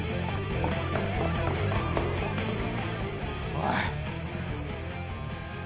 おい。